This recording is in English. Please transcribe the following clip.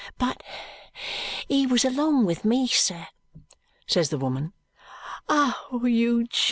"But he was along with me, sir," says the woman. "Oh, you Jo!